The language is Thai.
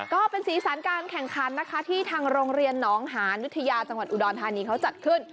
ก็เป็นสีสันการแข่งขันนะคะที่ทางโรงเรียนหนองหานวิทยาจังหวัดอุดรธานีเขาจัดขึ้น